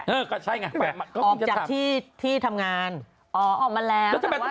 เออก็ใช่ไงออกจากที่ที่ทำงานอ๋อออกมาแล้ว